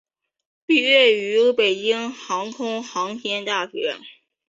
毕业于北京航空航天大学。